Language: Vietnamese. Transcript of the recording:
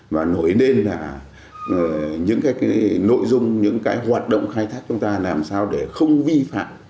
và nổi nên là những nội dung những hoạt động khai thác chúng ta làm sao để không vi phạm